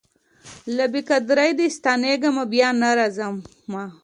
له بې قدریه دي ستنېږمه بیا نه راځمه